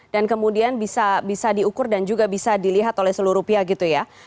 dan kemudian bisa diukur dan juga bisa dilihat oleh seluruh rupiah gitu ya